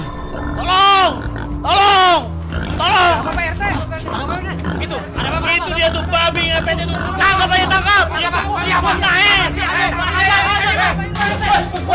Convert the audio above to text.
hai tolong tolong tolong itu ada itu dia tuh babi itu